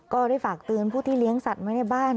ก็ได้ฝากเตือนผู้ที่เลี้ยงสัตว์ไว้ในบ้าน